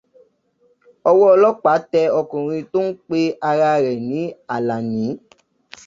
Ọwọ́ ọlọ́pàá tẹ ọkùnrin tó ń pe ara rẹ̀ ni Àlàní.